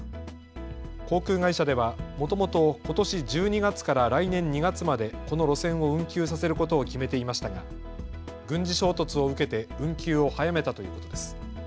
航空会社ではもともとことし１２月から来年２月までこの路線を運休させることを決めていましたが軍事衝突を受けて運休を早めたということです。